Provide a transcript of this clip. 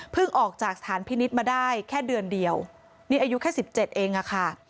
เพิ่งออกจากสถานพินิษฐ์มาได้แค่เดือนเดียวนี่อายุแค่๑๗เองค่ะ